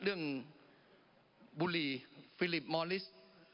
เรื่องบุหรี่ฟิลิปมอลิส